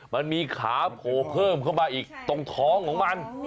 มันมีขาโผล่เพิ่มเข้ามาอีกตรงท้องของมัน